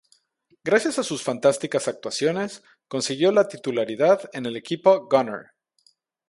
Gracias a sus fantásticas actuaciones, consiguió la titularidad en el equipo "Gunner".